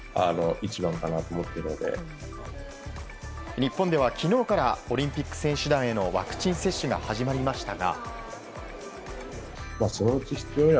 日本では昨日からオリンピック選手団へのワクチン接種が始まりましたが。